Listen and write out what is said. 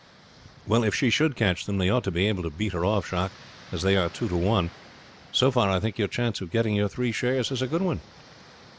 "Well, if she should catch them, they ought to be able to beat her off, Jacques, as they are two to one. So far I think your chance of getting your three shares is a good one."